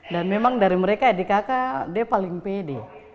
dan memang dari mereka di kakak dia paling pede